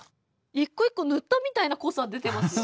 一個一個塗ったみたいな濃さ出てますよ。